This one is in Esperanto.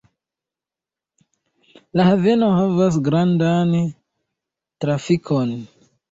La haveno havas grandan trafikon.